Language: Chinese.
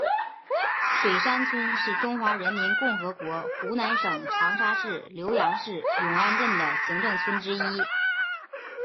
水山村是中华人民共和国湖南省长沙市浏阳市永安镇的行政村之一。